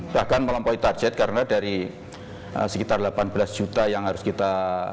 bahkan melampaui target karena dari sekitar delapan belas juta yang harus kita